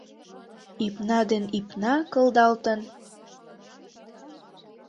Ӱпна ден ÿпна кылдалтын –